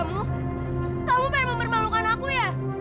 kamu pengen mempermalukan aku ya